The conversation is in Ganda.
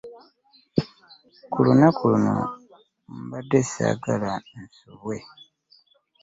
Ku lunaku luno mbadde ssaagala nsubwe.